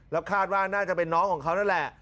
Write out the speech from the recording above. แล้วคาดว่าน่าจะเป็นน้องของเขานั่นแหละ